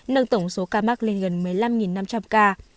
nâng tổng số ca mắc lên gần một mươi năm năm trăm linh ca